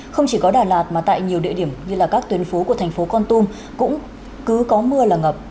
không chỉ có đà lạt mà tại nhiều địa điểm như là các tuyến phố của thành phố con tum cũng cứ có mưa là ngập